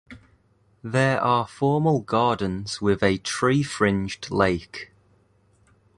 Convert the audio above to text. There are formal gardens with a tree-fringed lake.